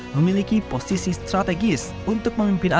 memiliki posisi strategis untuk memimpin